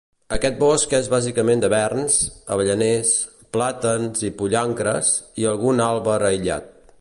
Aquest bosc és bàsicament de verns, avellaners, plàtans i pollancres, i algun àlber aïllat.